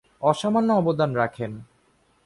অসামান্য অবদান রাখেন।